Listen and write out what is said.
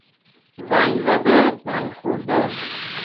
زنگ زده، زنگ خورده